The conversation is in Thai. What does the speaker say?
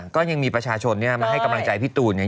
ก็ยังมีประชาชนมาให้กำลังใจพี่ตูนเนี่ย